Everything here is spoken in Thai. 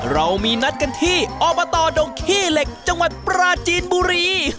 เรามีนัดกันที่อบตดงขี้เหล็กจังหวัดปราจีนบุรี